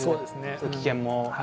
危険も。